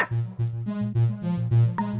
atau masih ada lagi